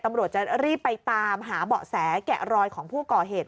ตำรวจจะรีบไปตามหาเบาะแสแกะรอยของผู้ก่อเหตุ